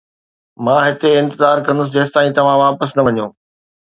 مان هتي انتظار ڪندس جيستائين توهان واپس نه وڃو